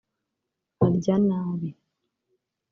arya nabi